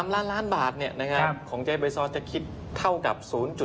๓ล้านล้านบาทของเจ๊เบซอสจะคิดเท่ากับ๐๘